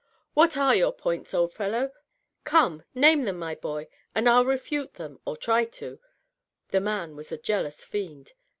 " What are your points, old 628 DOUGLAS DUANE. fellow? Come — name them, my boy, and Fll refiite them, or try to. The man was a jealous fiend.